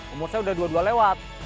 umur saya udah dua dua lewat